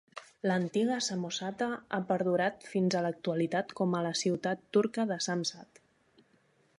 L'antiga Samosata ha perdurat fins a l'actualitat com a la ciutat turca de Samsat.